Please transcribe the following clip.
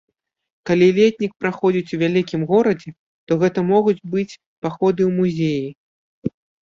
Калі летнік праходзіць у вялікім горадзе, то гэта могуць быць паходы ў музеі.